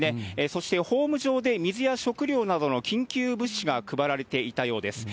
そしてホーム上で、水や食料などの緊急物資が配られていたようです。